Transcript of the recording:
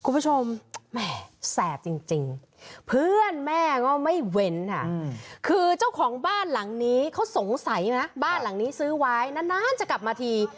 คุณผู้ชมแหมแสบจริงเพื่อนแม่ก็ไม่เว้นค่ะคือเจ้าของบ้านหลังนี้เขาสงสัยนะบ้านหลังนี้ซื้อไว้นานจะกลับมาที